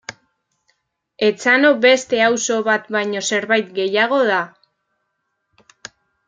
Etxano beste auzo bat baino zerbait gehiago da.